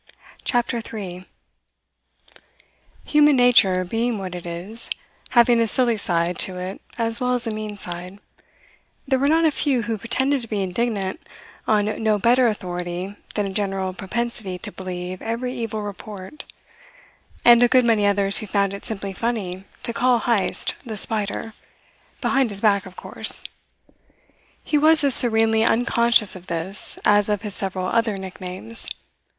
CHAPTER THREE Human nature being what it is, having a silly side to it as well as a mean side, there were not a few who pretended to be indignant on no better authority than a general propensity to believe every evil report; and a good many others who found it simply funny to call Heyst the Spider behind his back, of course. He was as serenely unconscious of this as of his several other nicknames.